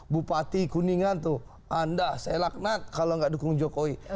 bupati kuningan tuh anda selaknat kalau nggak dukung jokowi